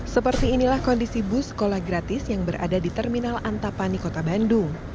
seperti inilah kondisi bus sekolah gratis yang berada di terminal antapani kota bandung